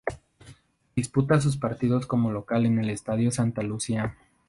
Disputa sus partidos como local en el Estadio Santa Lucía.